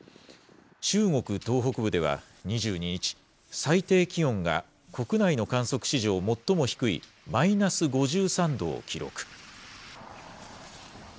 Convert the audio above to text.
中国東北部では２２日、最低気温が国内の観測史上最も低いマイナス５３度を記録。